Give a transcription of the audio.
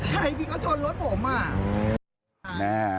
ใช่พี่เขาจนรถผมอะ